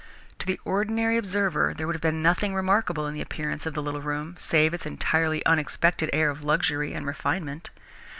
To the ordinary observer there would have been nothing remarkable in the appearance of the little room, save its entirely unexpected air of luxury and refinement.